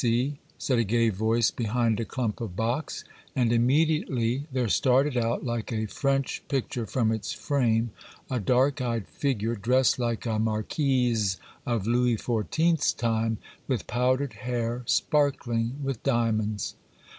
said a gay voice behind a clump of box, and immediately there started out, like a French picture from its frame, a dark eyed figure, dressed like a marquise of Louis Fourteenth's time, with powdered hair, sparkling with diamonds.